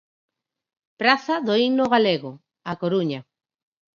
Praza do Himno Galego, A Coruña.